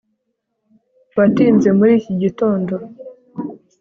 Watinze muri iki gitondo